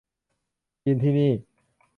กินที่นี่